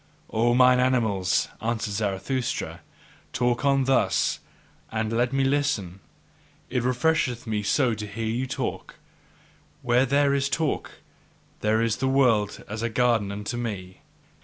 O mine animals, answered Zarathustra, talk on thus and let me listen! It refresheth me so to hear your talk: where there is talk, there is the world as a garden unto me.